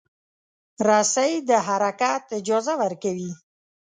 رسۍ د حرکت اجازه ورکوي.